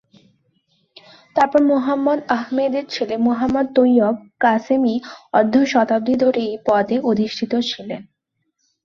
তার পর মুহাম্মদ আহমদের ছেলে মুহাম্মদ তৈয়ব কাসেমি অর্ধ শতাব্দী ধরে এই পদে অধিষ্ঠিত ছিলেন।